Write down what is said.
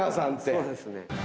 そうですね。